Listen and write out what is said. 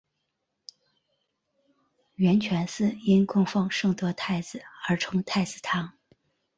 圆泉寺因供奉圣德太子而称太子堂。